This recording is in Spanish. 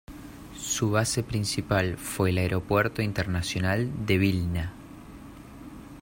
Su base principal fue el Aeropuerto Internacional de Vilna.